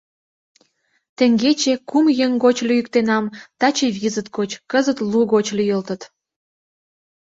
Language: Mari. Теҥгече кум еҥ гоч лӱйыктенам, таче визыт гоч, кызыт лу гоч лӱйылтыт.